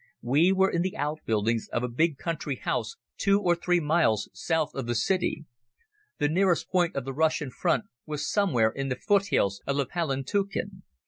We were in the outbuildings of a big country house two or three miles south of the city. The nearest point of the Russian front was somewhere in the foothills of the Palantuken.